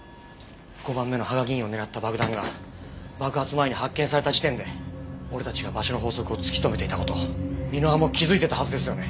５番目の芳賀議員を狙った爆弾が爆発前に発見された時点で俺たちが場所の法則を突き止めていた事を箕輪も気づいてたはずですよね？